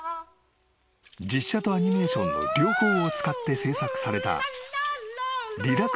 ［実写とアニメーションの両方を使って制作された］